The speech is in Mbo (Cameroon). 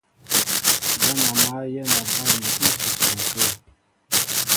Ján a mǎl yɛ̌n a banmni ísusuŋ kə̂.